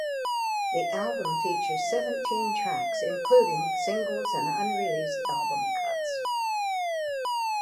The album features seventeen tracks, including singles and unreleased album cuts.